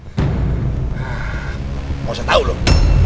gak usah tau loh